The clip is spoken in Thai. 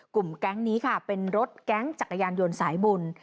แก๊งนี้ค่ะเป็นรถแก๊งจักรยานยนต์สายบุญ